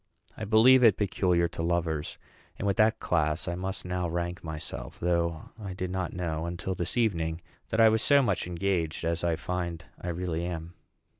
I believe it peculiar to lovers; and with that class I must now rank myself, though I did not know, until this evening, that I was so much engaged as I find I really am.